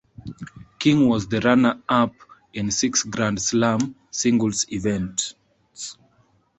King was the runner-up in six Grand Slam singles events.